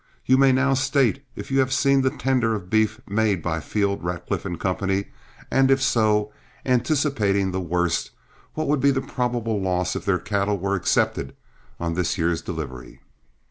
You may now state if you have seen the tender of beef made by Field, Radcliff & Co., and if so, anticipating the worst, what would be the probable loss if their cattle were accepted on this year's delivery?"